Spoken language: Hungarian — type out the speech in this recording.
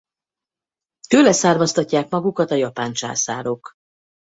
Tőle származtatják magukat a japán császárok.